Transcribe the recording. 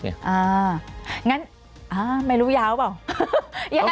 อ่างั้นไม่รู้ยาวหรือเปล่า